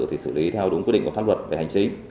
thì xử lý theo đúng quy định của pháp luật về hành chính